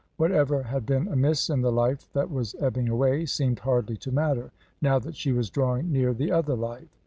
Whatever had been amiss in the life that was ebbing away seemed hardly to matter, now that she was drawing near the other life.